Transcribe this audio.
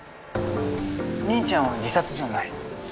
兄ちゃんは自殺じゃない。